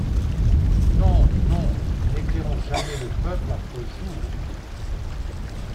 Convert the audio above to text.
Non! non ! n’éclairons jamais le peuple à faux jour.